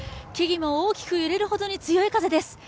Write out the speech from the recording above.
木々も多く揺れるほどに強い風です。